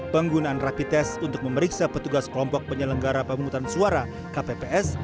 penggunaan rapid test untuk memeriksa petugas kelompok penyelenggara pemutaran suara kpps